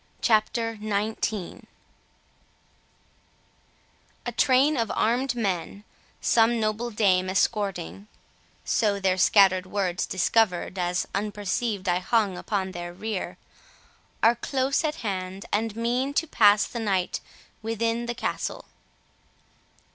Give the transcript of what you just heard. CHAPTER XIX A train of armed men, some noble dame Escorting, (so their scatter'd words discover'd, As unperceived I hung upon their rear,) Are close at hand, and mean to pass the night Within the castle.